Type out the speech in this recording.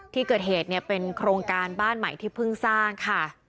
ที่เกิดเหตุเนี่ยเป็นโครงการบ้านใหม่ที่เพิ่งสร้างค่ะ